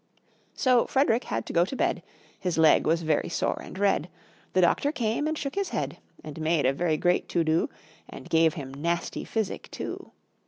So Frederick had to go to bed: His leg was very sore and red! The Doctor came, and shook his head, And made a very great to do, And gave him nasty physic too.